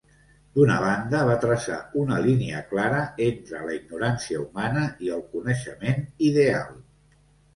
D'una banda, va traçar una línia clara entre la ignorància humana i el coneixement ideal.